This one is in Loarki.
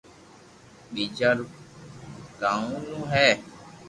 ٻيجا رو ڪاونو ھي